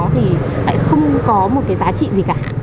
thì lại không có một cái giá trị gì cả